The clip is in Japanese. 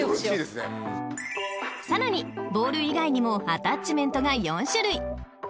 ［さらにボール以外にもアタッチメントが４種類］